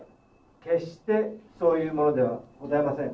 決してそういうものではございません。